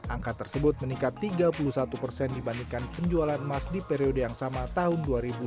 angka tersebut meningkat tiga puluh satu persen dibandingkan penjualan emas di periode yang sama tahun dua ribu dua puluh